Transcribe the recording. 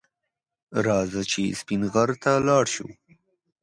رځه چې سپین غر ته لاړ شو